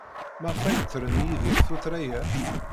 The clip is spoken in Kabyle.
Maɣef ay ttren Yidir tuttra-a?